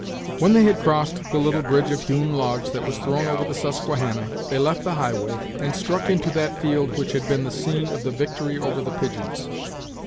When they had crossed the little bridge of hewn logs that was thrown over the Susquehanna, they left the highway, and struck into that field which had been the scene of the victory over the pigeons.